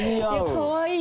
かわいい！